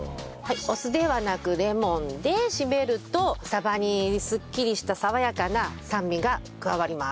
お酢ではなくレモンで締めるとサバにすっきりした爽やかな酸味が加わります。